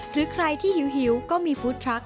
หรือใครที่หิวก็มีฟู้ดทรัค